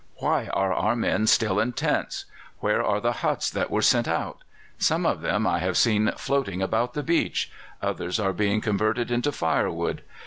Why are our men still in tents? Where are the huts that were sent out? Some of them I have seen floating about the beach; others are being converted into firewood.